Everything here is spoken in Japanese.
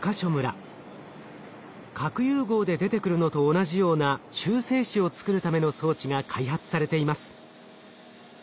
核融合で出てくるのと同じような中性子を作るための装置が開発されています。